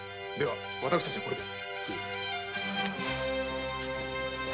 私たちはこれで。